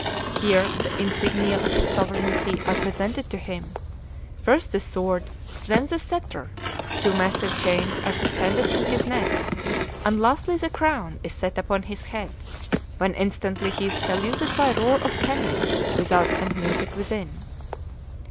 Here the insignia of his sovereignty are presented to him, first the sword, then the sceptre; two massive chains are suspended from his neck; and lastly the crown is set upon his head, when instantly he is saluted by roar of cannon without and music within.